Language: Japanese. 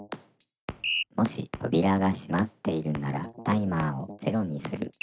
「もしとびらがしまっているならタイマーを０にする」。